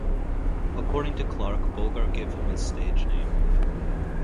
According to Clark, Bogart gave him his stage name.